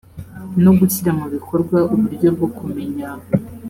no gushyira mu bikorwa uburyo bwo kumenya